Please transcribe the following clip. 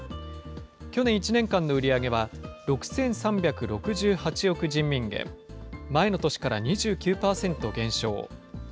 去年１年間の売り上げは、６３６８億人民元、前の年から２９％減少。